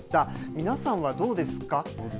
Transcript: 皆さんはどうですか。